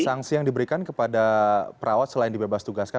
sanksi yang diberikan kepada perawat selain dibebas tugaskan